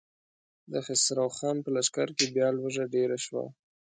د خسرو خان په لښکر کې بيا لوږه ډېره شوه.